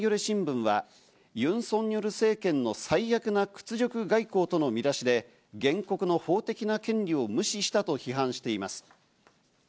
一方、革新系のハンギョレ新聞は、「ユン・ソンニョル政権の最悪な屈辱外交」との見出しで原告の法的な権利を無視したと批判しています。